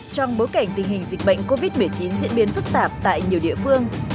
trong bối cảnh tình hình dịch bệnh covid một mươi chín diễn biến phức tạp tại nhiều địa phương